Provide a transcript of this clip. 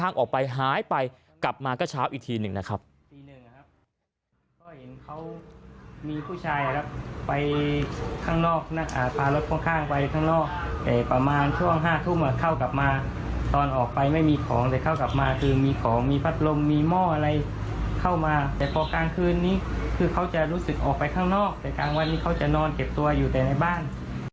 นอกนั่งอาจพารถข้างไปข้างนอกแต่ประมาณช่วงห้าทุ่มเข้ากลับมาตอนออกไปไม่มีของแต่เข้ากลับมาคือมีของมีพัดลมมีหม้ออะไรเข้ามาแต่พอกลางคืนนี้คือเขาจะรู้สึกออกไปข้างนอกแต่กลางวันนี้เขาจะนอนเก็บตัวอยู่ในบ้าน